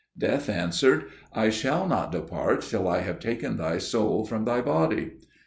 Death answered, "I shall not depart till I have taken thy soul from thy body."